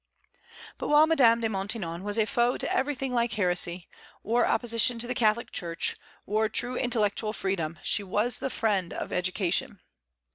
But while Madame de Maintenon was a foe to everything like heresy, or opposition to the Catholic Church, or true intellectual freedom, she was the friend of education.